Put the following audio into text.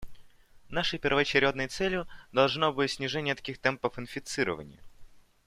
Нашей первоочередной целью должно быть снижение таких темпов инфицирования.